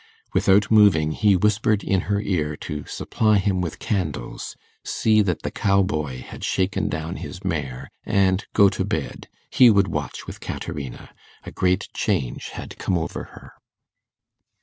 Without moving, he whispered in her ear to supply him with candles, see that the cow boy had shaken down his mare, and go to bed he would watch with Caterina a great change had come over her.